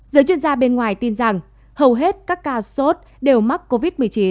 giới chuyên gia bên ngoài tin rằng hầu hết các ca sốt đều mắc covid một mươi chín